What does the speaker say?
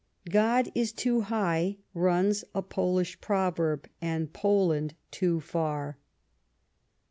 •*'God is too high,*' runs a Polish proverb, "and Poland too far."